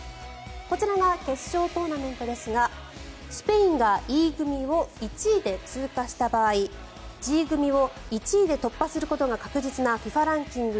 こちらが決勝トーナメントですがスペインがＥ組を１位で通過した場合Ｇ組を１位で突破することが確実なＦＩＦＡランキング